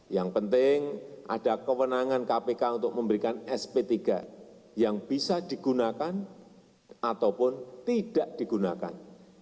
yang penting ada kewenangan kpk untuk memberikan sp tiga yang bisa digunakan ataupun tidak digunakan